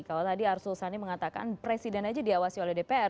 kalau tadi arsul sani mengatakan presiden aja diawasi oleh dpr